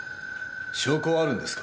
証拠はあるんですか？